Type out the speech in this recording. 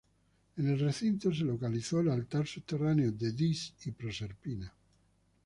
En el recinto se localizó el altar subterráneo de Dis y Proserpina.